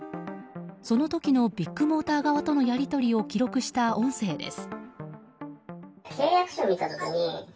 その時のビッグモーター側とのやり取りを記録した音声です。